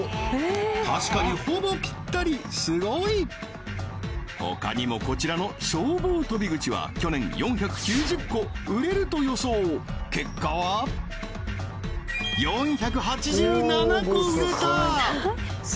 確かにほぼぴったりすごい！ほかにもこちらの消防とび口は去年４９０個売れると予想結果は４８７個売れた！